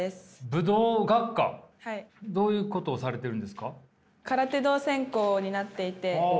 どういうことをされてるんですか？